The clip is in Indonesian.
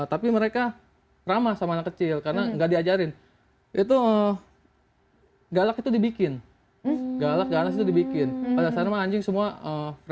tapi mereka ramah sama anak kecil karena nggak diajarin jadi anjing anjing itu ramah untuk anggota keluarga jadi jdl sendiri tuh pitbull banyak yang punya tapi mereka ramah sama anak kecil karena nggak diajarin